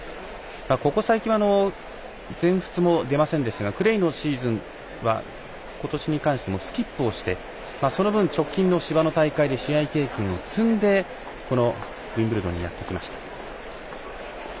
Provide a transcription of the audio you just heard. ここ最近は、全仏オープンも出ませんでしたがクレーのシーズンはことしに関してはスキップをして、その分直近の芝の大会で経験を積んでウィンブルドンにやってきました。